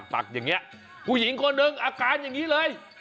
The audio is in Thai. ตักอย่างนี้ผู้หญิงคนหนึ่งอาการอย่างนี้เลย